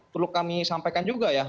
perlu kami sampaikan juga ya